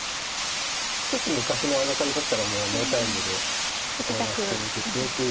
少し昔の相掛かりだったらもうノータイムで８七歩受けてという。